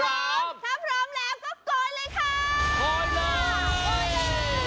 ถ้าพร้อมแล้วก็กดเลยค่ะ